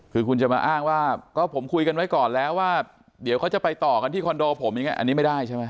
คือคุณจะมาอ้างว่าก็ผมคุยกันไว้ก่อนแล้วว่าเดี๋ยวเขาจะไปต่อกันที่คอนโดผมอย่างนี้อันนี้ไม่ได้ใช่ไหม